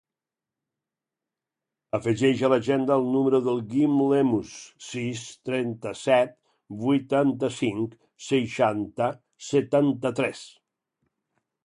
Afegeix a l'agenda el número del Guim Lemus: sis, trenta-set, vuitanta-cinc, seixanta, setanta-tres.